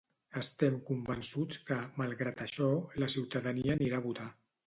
Estem convençuts que, malgrat això, la ciutadania anirà a votar.